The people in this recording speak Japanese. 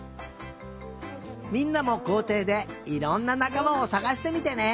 みんなもこうていでいろんななかまをさがしてみてね！